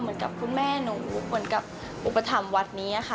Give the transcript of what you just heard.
คุณแม่หนูเหมือนกับอุปถัมภ์วัดนี้ค่ะ